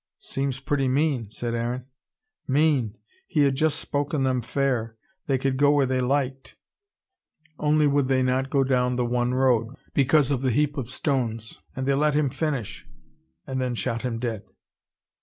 "Seems pretty mean," said Aaron. "Mean! He had just spoken them fair they could go where they liked, only would they not go down the one road, because of the heap of stones. And they let him finish. And then shot him dead."